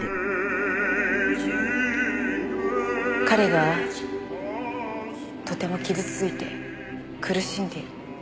彼がとても傷ついて苦しんでいる。